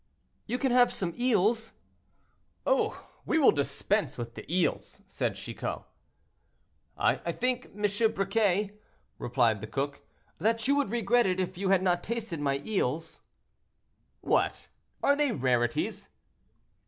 "You can have some eels." "Oh! we will dispense with the eels," said Chicot. "I think, M. Briquet," replied the cook, "that you would regret it if you had not tasted my eels." "What! are they rarities?"